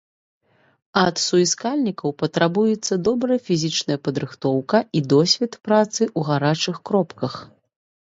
Ад суіскальнікаў патрабуецца добрая фізічная падрыхтоўка і досвед працы ў гарачых кропках.